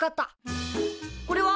これは？